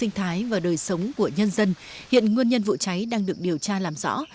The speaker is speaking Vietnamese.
trong trường sinh thái và đời sống của nhân dân hiện nguyên nhân vụ cháy đang được điều tra làm rõ